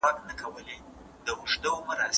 سالم ذهن باور نه ځنډوي.